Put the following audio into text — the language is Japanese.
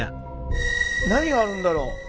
何があるんだろう。